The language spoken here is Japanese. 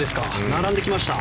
並んできました。